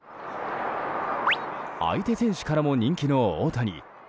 相手選手からも人気の大谷。